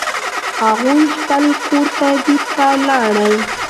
هغوی خپل کور ته بیرته ولاړل